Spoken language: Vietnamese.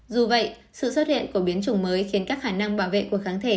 dù vậy sự xuất hiện của biến chủng mới khiến các khả năng bảo vệ của kháng thể